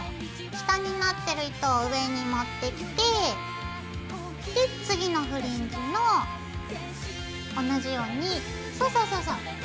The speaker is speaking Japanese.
下になってる糸を上に持ってきて次のフリンジの同じようにそうそうそうそう。